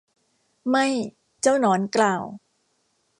ไม่ เจ้าหนอนกล่าว